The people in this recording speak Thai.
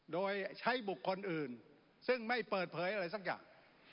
โดยใช้บุคคลอื่นซึ่งไม่เปิดเผยอะไรสักอย่าง